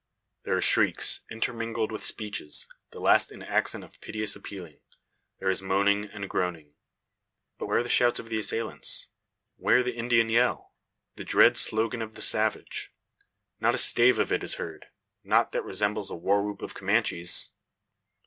There are shrieks, intermingled with speeches, the last in accent of piteous appealing; there is moaning and groaning. But where are the shouts of the assailants? Where the Indian yell the dread slogan of the savage? Not a stave of it is heard nought that resembles a warwhoop of Comanches!